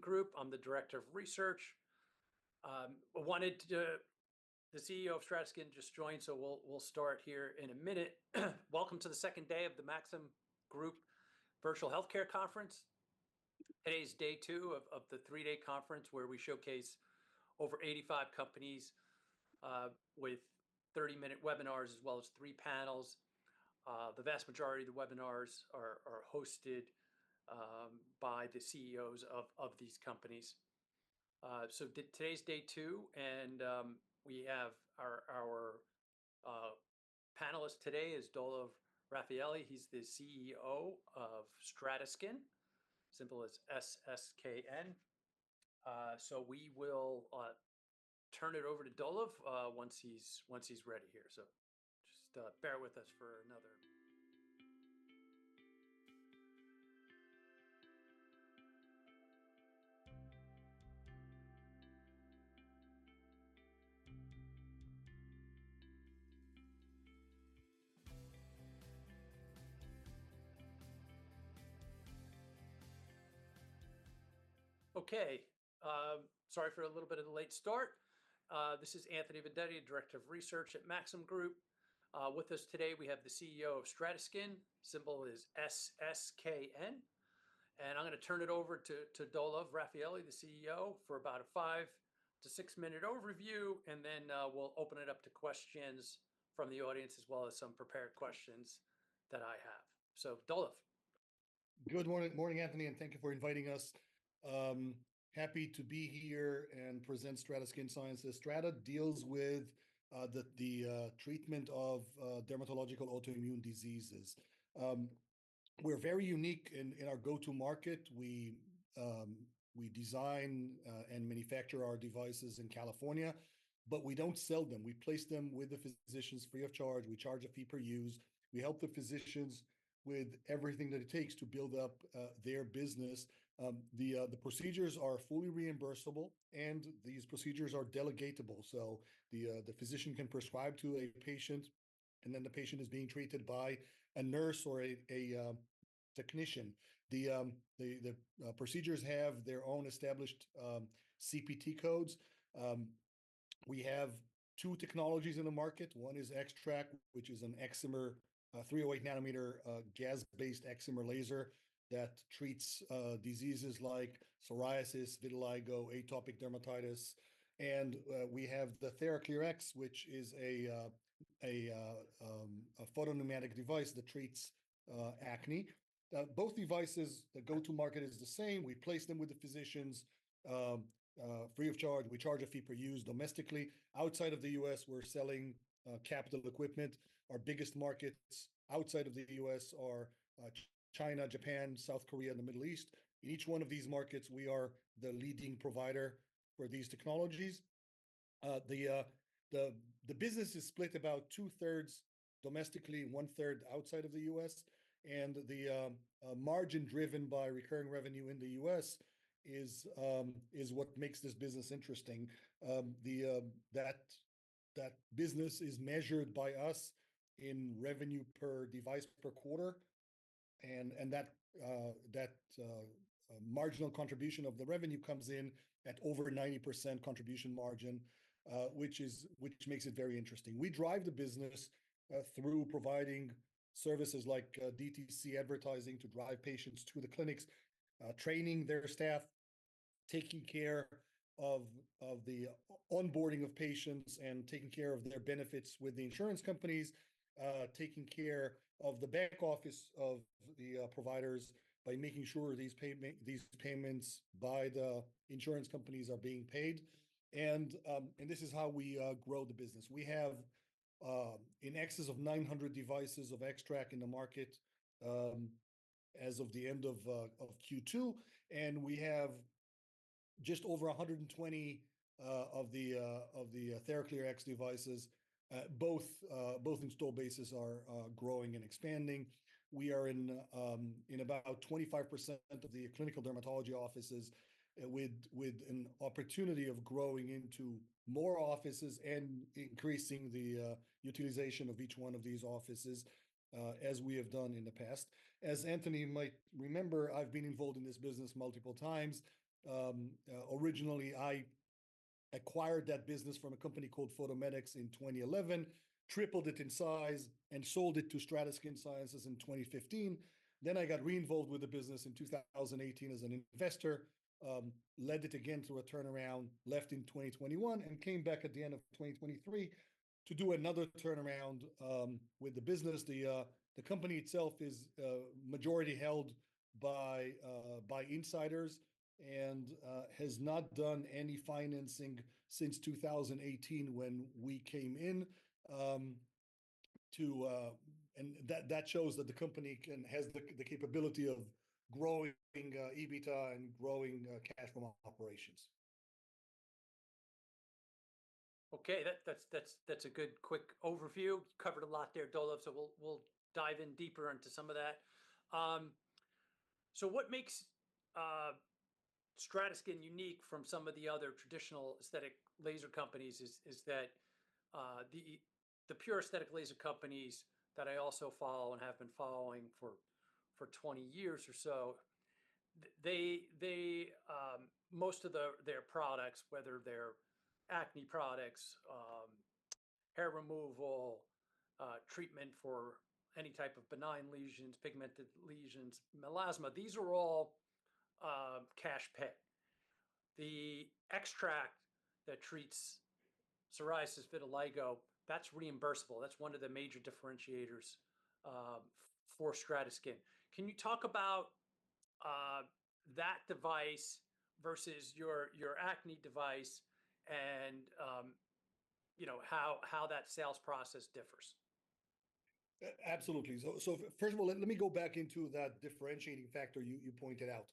Group. I'm the Director of Research. The CEO of Strata Skin just joined, so we'll start here in a minute. Welcome to the second day of the Maxim Group Virtual Healthcare Conference. Today is day two of the 3-day conference, where we showcase over 85 companies with 30-minute webinars, as well as 3 panels. The vast majority of the webinars are hosted by the CEOs of these companies. So today is day two, and we have our panelist today is Dolev Rafaeli. He's the CEO of Strata Skin, symbol is SSKN. So we will turn it over to Dolev once he's ready here, so just bear with us for another. Okay. Sorry for a little bit of a late start. This is Anthony Vendetti, Director of Research at Maxim Group. With us today, we have the CEO of Strata Skin, symbol is SSKN, and I'm gonna turn it over to Dolev Rafaeli, the CEO, for about a five to six-minute overview, and then we'll open it up to questions from the audience, as well as some prepared questions that I have. So, Dolev. Good morning, Anthony, and thank you for inviting us. Happy to be here and present Strata Skin Sciences. Strata deals with the treatment of dermatological autoimmune diseases. We're very unique in our go-to market. We design and manufacture our devices in California, but we don't sell them. We place them with the physicians free of charge. We charge a fee per use. We help the physicians with everything that it takes to build up their business. The procedures are fully reimbursable, and these procedures are delegatable, so the physician can prescribe to a patient, and then the patient is being treated by a nurse or a technician. The procedures have their own established CPT codes. We have two technologies in the market. One is XTRAC, which is an excimer, a 308 nm gas-based excimer laser that treats diseases like psoriasis, vitiligo, atopic dermatitis, and we have the TheraClearX, which is a photopneumatic device that treats acne. Both devices, the go-to market is the same. We place them with the physicians free of charge. We charge a fee per use domestically. Outside of the U.S., we're selling capital equipment. Our biggest markets outside of the U.S. are China, Japan, South Korea, and the Middle East. In each one of these markets, we are the leading provider for these technologies. The business is split about two-thirds domestically, one-third outside of the U.S., and the margin driven by recurring revenue in the U.S. is what makes this business interesting. That business is measured by us in revenue per device per quarter, and that marginal contribution of the revenue comes in at over 90% contribution margin, which makes it very interesting. We drive the business through providing services like DTC advertising to drive patients to the clinics, training their staff, taking care of onboarding of patients, and taking care of their benefits with the insurance companies, taking care of the back office of the providers by making sure these payments by the insurance companies are being paid, and this is how we grow the business. We have in excess of 900 devices of XTRAC in the market as of the end of Q2, and we have just over 120 of the TheraClearX devices. Both install bases are growing and expanding. We are in about 25% of the clinical dermatology offices with an opportunity of growing into more offices and increasing the utilization of each one of these offices as we have done in the past. As Anthony might remember, I've been involved in this business multiple times. Originally, I acquired that business from a company called PhotoMedex in 2011, tripled it in size, and sold it to Strata Skin Sciences in 2015. Then I got re-involved with the business in 2018 as an investor, led it again through a turnaround, left in 2021, and came back at the end of 2023 to do another turnaround with the business. The company itself is majority held by insiders and has not done any financing since 2018 when we came in. And that shows that the company has the capability of growing EBITDA and growing cash from operations. Okay. That's a good, quick overview. Covered a lot there, Dolev, so we'll dive in deeper into some of that. So what makes Strata Skin unique from some of the other traditional aesthetic laser companies, is that the pure aesthetic laser companies that I also follow and have been following for 20 years or so, they most of their products, whether they're acne products, hair removal, treatment for any type of benign lesions, pigmented lesions, melasma, these are all cash pay. The XTRAC that treats psoriasis, vitiligo, that's reimbursable. That's one of the major differentiators for Strata Skin. Can you talk about that device versus your acne device, and you know, how that sales process differs? Absolutely. First of all, let me go back into that differentiating factor you pointed out.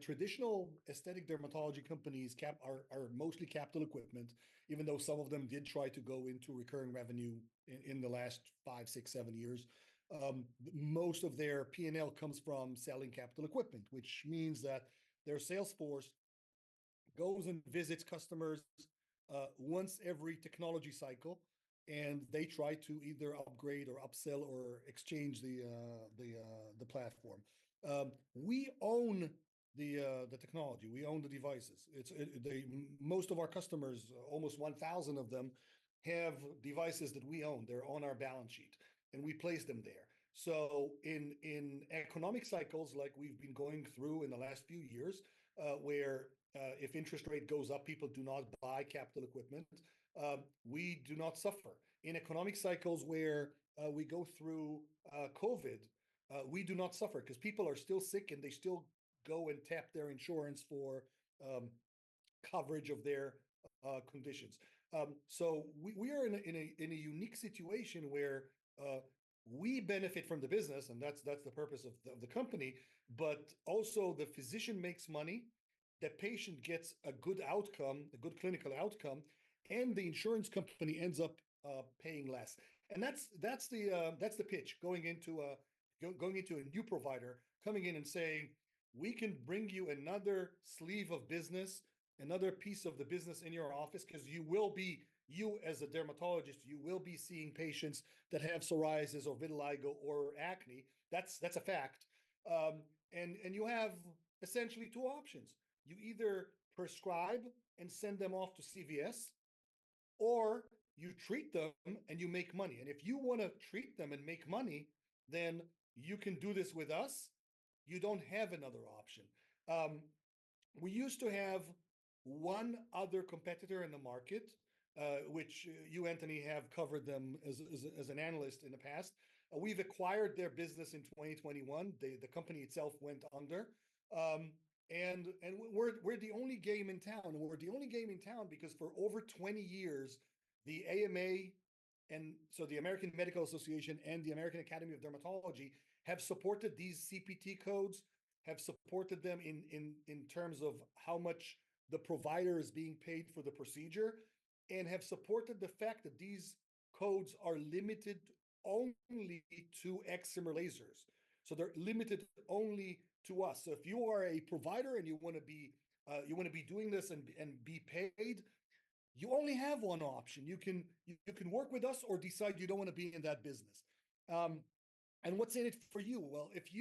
Traditional aesthetic dermatology companies are mostly capital equipment, even though some of them did try to go into recurring revenue in the last five, six, seven years. Most of their P&L comes from selling capital equipment, which means that their sales force goes and visits customers once every technology cycle, and they try to either upgrade or upsell or exchange the platform. We own the technology. We own the devices. Most of our customers, almost one thousand of them, have devices that we own. They're on our balance sheet, and we place them there. In economic cycles like we've been going through in the last few years, where if interest rate goes up, people do not buy capital equipment, we do not suffer. In economic cycles where we go through COVID, we do not suffer, because people are still sick, and they still go and tap their insurance for coverage of their conditions. So we are in a unique situation where we benefit from the business, and that's the purpose of the company, but also the physician makes money, the patient gets a good outcome, a good clinical outcome, and the insurance company ends up paying less, and that's the pitch going into a new provider, coming in and saying, "We can bring you another sleeve of business, another piece of the business in your office, 'cause you will be, as a dermatologist, seeing patients that have psoriasis or vitiligo or acne. That's a fact, and you have essentially two options. You either prescribe and send them off to CVS, or you treat them, and you make money, and if you wanna treat them and make money, then you can do this with us. You don't have another option." We used to have one other competitor in the market, which you, Anthony, have covered them as an analyst in the past. We've acquired their business in 2021. The company itself went under, and we're the only game in town. We're the only game in town because for over 20 years, the AMA, and so the American Medical Association, and the American Academy of Dermatology have supported these CPT codes, have supported them in terms of how much the provider is being paid for the procedure, and have supported the fact that these codes are limited only to excimer lasers, so they're limited only to us. So if you are a provider, and you wanna be doing this and be paid, you only have one option. You can work with us or decide you don't wanna be in that business. And what's in it for you? If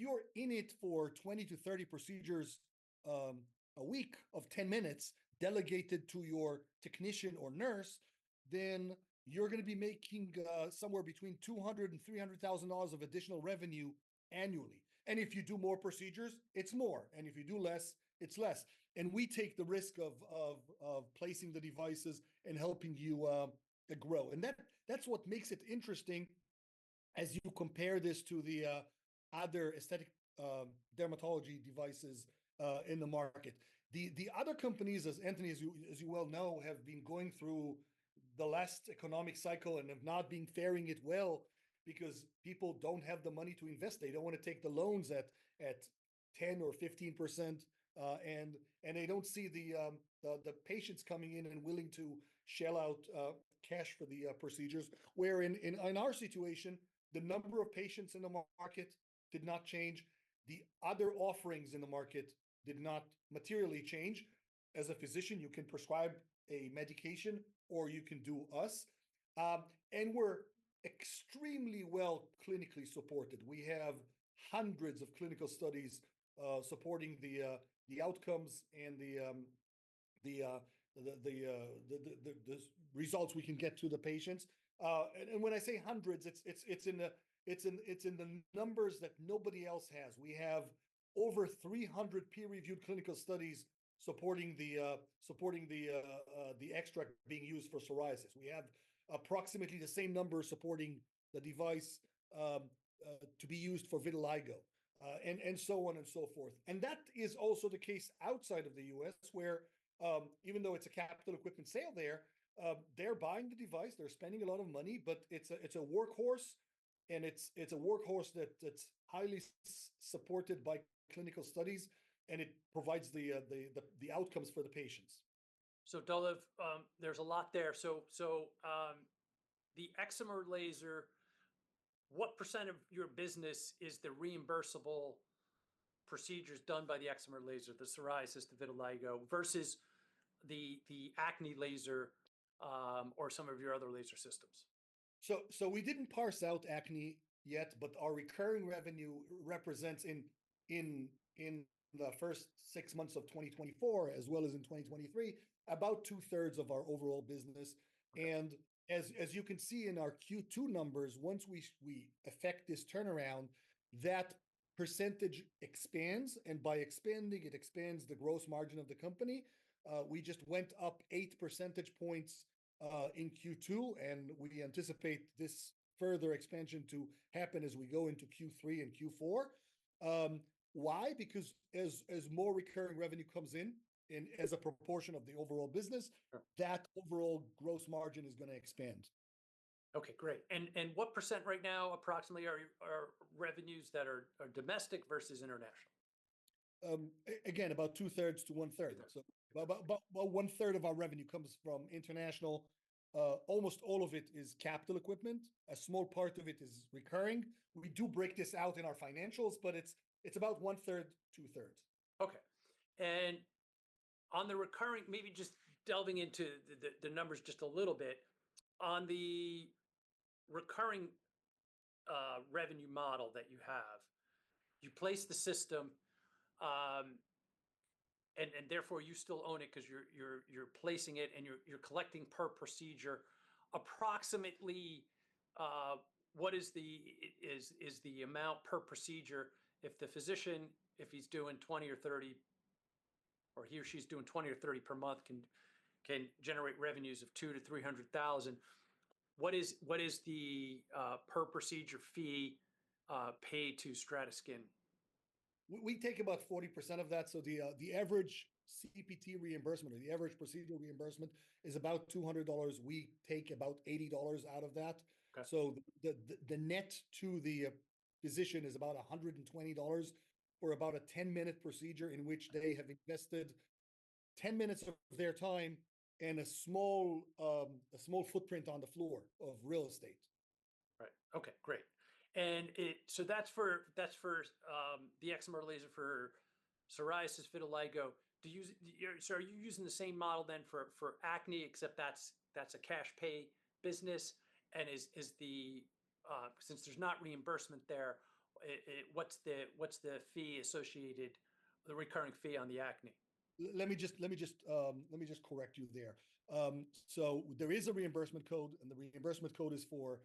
you're in it for 20-30 procedures a week, of 10 minutes, delegated to your technician or nurse, then you're gonna be making somewhere between $200,000 and $300,000 of additional revenue annually, and if you do more procedures, it's more, and if you do less, it's less, and we take the risk of placing the devices and helping you to grow, and that's what makes it interesting as you compare this to the other aesthetic dermatology devices in the market. The other companies, as Anthony, as you well know, have been going through the last economic cycle and have not been faring it well because people don't have the money to invest. They don't wanna take the loans at 10% or 15%, and they don't see the patients coming in and willing to shell out cash for the procedures. Whereas in our situation, the number of patients in the market did not change. The other offerings in the market did not materially change. As a physician, you can prescribe a medication, or you can do us, and we're extremely well clinically supported. We have hundreds of clinical studies supporting the outcomes and the results we can get to the patients, and when I say hundreds, it's in the numbers that nobody else has. We have over 300 peer-reviewed clinical studies supporting the XTRAC being used for psoriasis. We have approximately the same number supporting the device to be used for vitiligo, and so on and so forth, and that is also the case outside of the U.S., where even though it's a capital equipment sale there, they're buying the device, they're spending a lot of money, but it's a workhorse, and it's a workhorse that's highly supported by clinical studies, and it provides the outcomes for the patients. Dolev, there's a lot there. What percent of your business is the reimbursable procedures done by the excimer laser, the psoriasis, the vitiligo, versus the acne laser, or some of your other laser systems? So we didn't parse out acne yet, but our recurring revenue represents in the first six months of 2024, as well as in 2023, about two-thirds of our overall business. And as you can see in our Q2 numbers, once we effect this turnaround, that percentage expands, and by expanding, it expands the gross margin of the company. We just went up eight percentage points in Q2, and we anticipate this further expansion to happen as we go into Q3 and Q4. Why? Because as more recurring revenue comes in as a proportion of the overall business that overall gross margin is gonna expand. Okay, great. And what percent right now, approximately, are revenues that are domestic versus international? Again, about 2/3 to 1/3. So, about 1/3 of our revenue comes from international. Almost all of it is capital equipment. A small part of it is recurring. We do break this out in our financials, but it's about 1/3, 2/3. Okay. And on the recurring. Maybe just delving into the numbers just a little bit, on the recurring revenue model that you have, you place the system, and therefore, you still own it 'cause you're placing it, and you're collecting per procedure. Approximately, what is the amount per procedure if the physician, if he's doing 20 or 30, or he or she's doing 20 or 30 per month, can generate revenues of $200,000-$300,000, what is the per procedure fee paid to Strata Skin Sciences? We take about 40% of that, so the average CPT reimbursement or the average procedural reimbursement is about $200. We take about $80 out of that. So the net to the physician is about $120 for about a 10-minute procedure in which they have invested 10 minutes of their time and a small footprint on the floor of real estate. Right. Okay, great, and it, so that's for the excimer laser for psoriasis, vitiligo. So are you using the same model then for acne, except that's a cash pay business? And, since there's not reimbursement there, what's the fee associated, the recurring fee on the acne? Let me just correct you there. So there is a reimbursement code, and the reimbursement code is for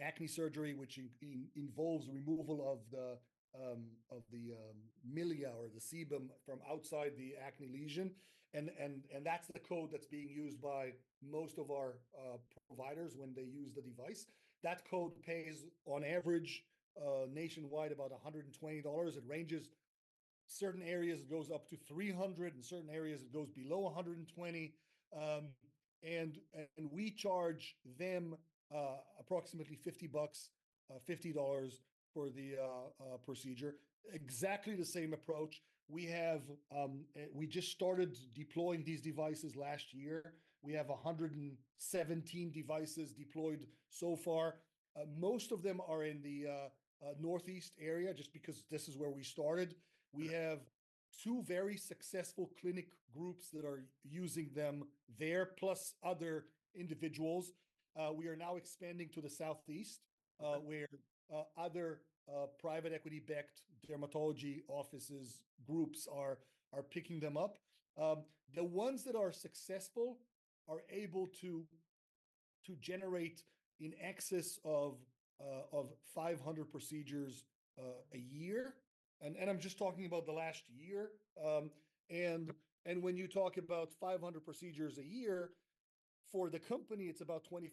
acne surgery, which involves removal of the milia or the sebum from outside the acne lesion, and that's the code that's being used by most of our providers when they use the device. That code pays, on average, nationwide, about $120. It ranges. Certain areas, it goes up to $300, and certain areas, it goes below $120. And we charge them approximately 50 bucks, $50 for the procedure. Exactly the same approach. We just started deploying these devices last year. We have 117 devices deployed so far. Most of them are in the Northeast area, just because this is where we started. We have two very successful clinic groups that are using them, there plus other individuals. We are now expanding to the Southeast, where other private equity-backed dermatology offices, groups are picking them up. The ones that are successful are able to generate in excess of 500 procedures a year, and I'm just talking about the last year. When you talk about 500 procedures a year, for the company, it's about $25,000.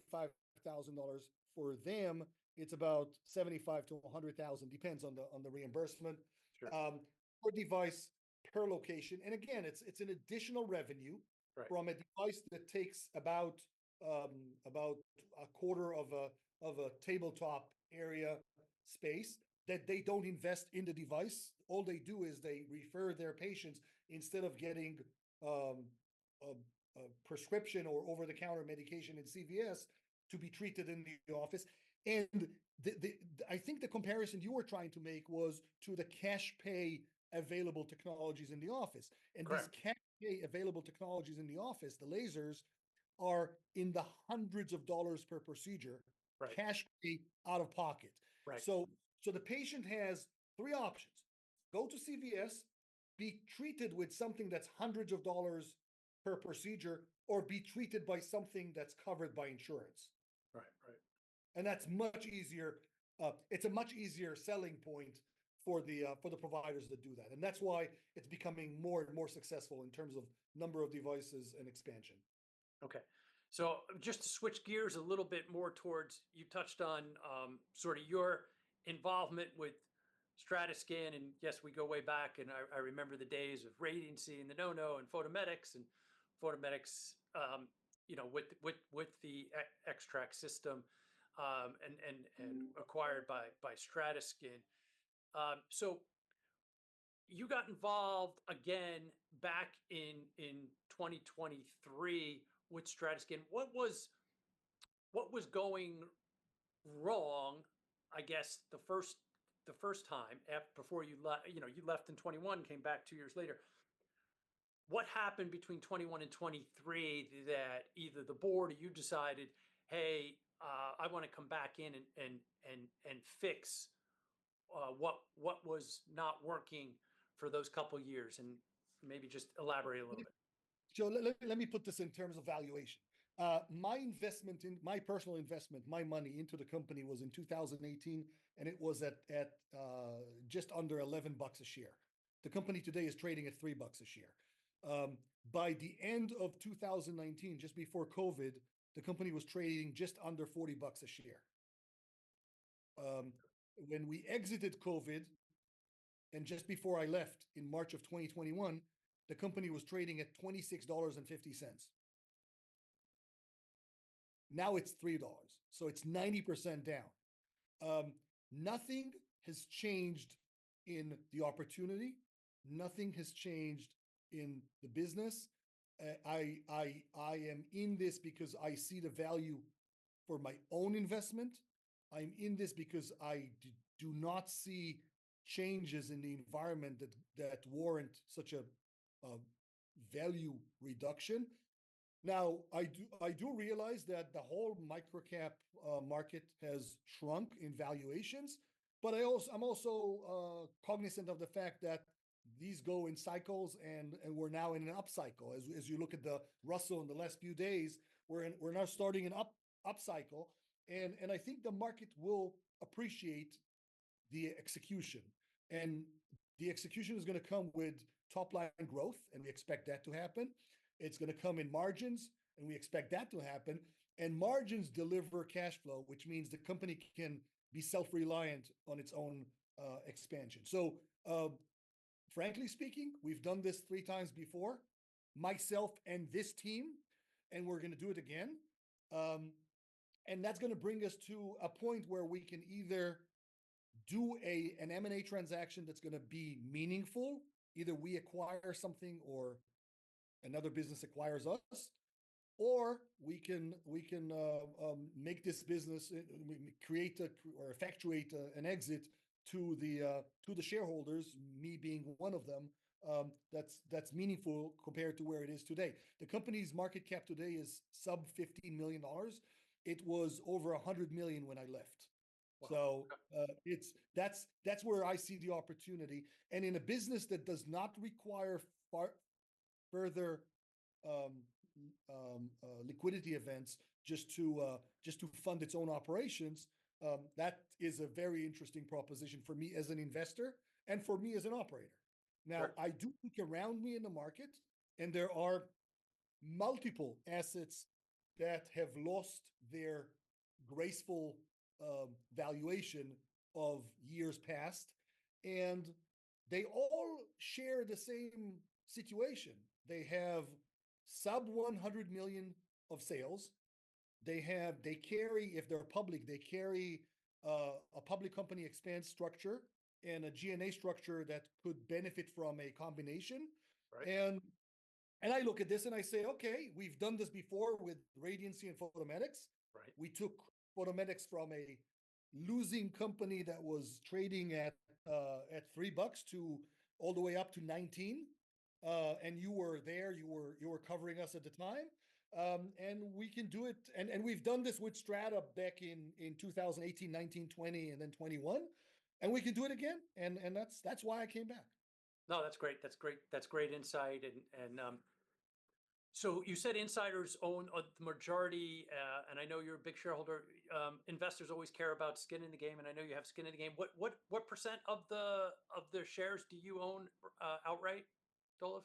For them, it's about $75,000-$100,000, depends on the reimbursement per device, per location. And again, it's an additional revenue from a device that takes about a quarter of a tabletop area space, that they don't invest in the device. All they do is they refer their patients, instead of getting a prescription or over-the-counter medication in CVS, to be treated in the office, and I think the comparison you were trying to make was to the cash pay available technologies in the office. And these cash pay available technologies in the office, the lasers, are in the hundreds of dollars per procedure cash pay, out of pocket. So, the patient has three options, go to CVS, be treated with something that's hundreds of dollars per procedure, or be treated by something that's covered by insurance. And that's much easier. It's a much easier selling point for the providers that do that, and that's why it's becoming more and more successful in terms of number of devices and expansion. Okay, so just to switch gears a little bit more towards, you touched on, sort of your involvement with Strata Skin, and yes, we go way back, and I remember the days of Radiancy, and the no!no!, and PhotoMedex, you know, with the XTRAC system, and acquired by Strata Skin. You got involved again back in 2023 with Strata Skin. What was going wrong, I guess, the first time before you, you know, left in 2021, came back two years later. What happened between 2021 and 2023 that either the board or you decided, "Hey, I wanna come back in and fix what was not working for those couple years?" and maybe just elaborate a little bit. So let me put this in terms of valuation. My investment in my personal investment, my money into the company was in 2018, and it was at just under $11 a share. The company today is trading at $3 a share. By the end of 2019, just before COVID, the company was trading just under $40 a share. When we exited COVID, and just before I left in March of 2021, the company was trading at $26.50. Now it's $3, so it's 90% down. Nothing has changed in the opportunity. Nothing has changed in the business. I am in this because I see the value for my own investment. I'm in this because I do not see changes in the environment that warrant such a value reduction. Now, I do realize that the whole microcap market has shrunk in valuations, but I'm also cognizant of the fact that these go in cycles, and we're now in an upcycle. As you look at the Russell in the last few days, we're now starting an upcycle, and I think the market will appreciate the execution, and the execution is gonna come with top-line growth, and we expect that to happen. It's gonna come in margins, and we expect that to happen, and margins deliver cash flow, which means the company can be self-reliant on its own expansion. So, frankly speaking, we've done this three times before, myself and this team, and we're gonna do it again. That's gonna bring us to a point where we can either do an M&A transaction that's gonna be meaningful, either we acquire something or another business acquires us, or we can make this business or effectuate an exit to the shareholders, me being one of them, that's meaningful compared to where it is today. The company's market cap today is sub $15 million. It was over $100 million when I left. So, that's where I see the opportunity, and in a business that does not require further liquidity events just to fund its own operations, that is a very interesting proposition for me as an investor and for me as an operator. Now, I do look around me in the market, and there are multiple assets that have lost their graceful valuation of years past, and they all share the same situation. They have sub $100 million of sales. They carry, if they're public, they carry a public company expense structure and a G&A structure that could benefit from a combination. I look at this and I say, Okay, we've done this before with Radiancy and PhotoMedex. We took PhotoMedex from a losing company that was trading at $3 to all the way up to $19. And you were there, you were covering us at the time. And we can do it. And we've done this with Strata back in 2018, 2019, 2020, and then 2021, and we can do it again, and that's why I came back. No, that's great. That's great. That's great insight, and so you said insiders own the majority, and I know you're a big shareholder. Investors always care about skin in the game, and I know you have skin in the game. What percent of the shares do you own outright, Dolev?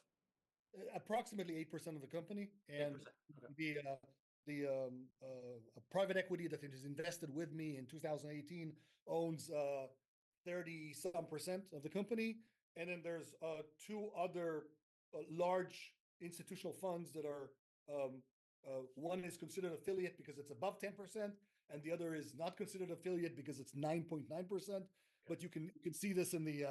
Approximately 8% of the company, and the private equity that it is invested with me in 2018 owns 30-some% of the company, and then there's two other large institutional funds that are one is considered affiliate because it's above 10%, and the other is not considered affiliate because it's 9.9%. But you can see this in the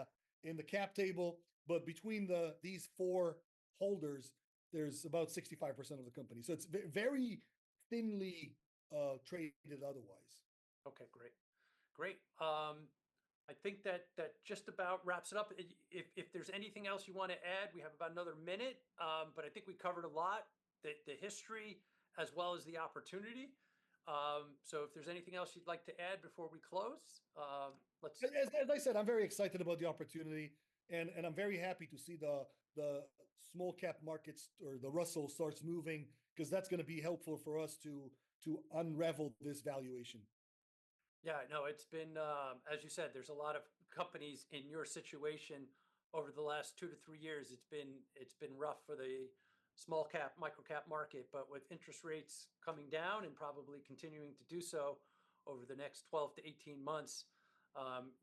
cap table, but between these four holders, there's about 65% of the company, so it's very thinly traded otherwise. Okay, great. Great, I think that just about wraps it up. If there's anything else you wanna add, we have about another minute, but I think we covered a lot, the history as well as the opportunity. So if there's anything else you'd like to add before we close. As I said, I'm very excited about the opportunity, and I'm very happy to see the small cap markets or the Russell starts moving, 'cause that's gonna be helpful for us to unravel this valuation. Yeah, no, it's been, as you said, there's a lot of companies in your situation over the last two to three years. It's been rough for the small cap, microcap market, but with interest rates coming down and probably continuing to do so over the next 12-18 months,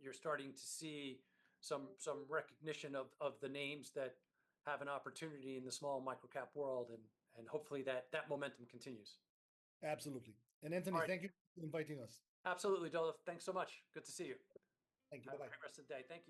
you're starting to see some recognition of the names that have an opportunity in the small microcap world and hopefully that momentum continues. Absolutely. Anthony, thank you for inviting us. Absolutely, Dolev. Thanks so much. Good to see you. Thank you. Bye-bye. Have a progressive day. Thank you.